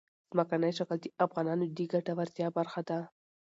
ځمکنی شکل د افغانانو د ګټورتیا برخه ده.